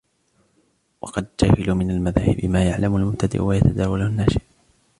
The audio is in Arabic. وَقَدْ جَهِلُوا مِنْ الْمَذَاهِبِ مَا يَعْلَمُ الْمُبْتَدِئُ وَيَتَدَاوَلُهُ النَّاشِئُ